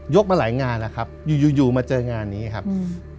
ยกมาหลายงานแล้วครับอยู่อยู่อยู่มาเจองานนี้ครับอืม